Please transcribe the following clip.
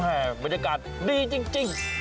บรรยากาศดีจริง